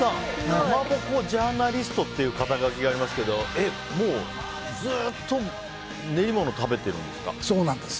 かまぼこジャーナリストっていう肩書がありますけどもうずっと練り物食べてるんですか？